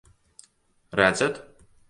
Redzat?